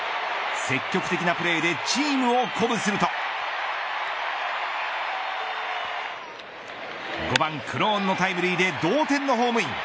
積極的なプレーでチームを鼓舞すると５番クローンのタイムリーで同点のホームイン。